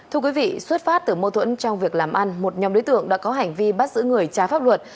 thưa quý vị xuất phát từ mâu thuẫn trong việc làm ăn một nhóm đối tượng đã có hành vi bắt giữ người trái pháp luật